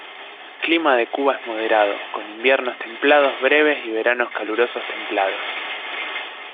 Clima de Quba es moderado, con inviernos templados breves y con veranos calurosos templados.